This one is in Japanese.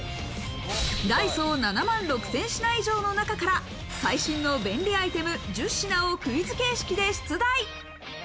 ダイソー７万６０００品以上の中から最新の便利アイテム１０品をクイズ形式で出題。